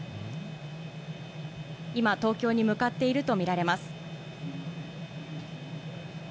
今、東京に向かっていると見られます。